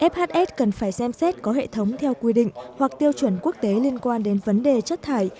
fhs cần phải xem xét có hệ thống theo quy định hoặc tiêu chuẩn quốc tế liên quan đến vấn đề chất thải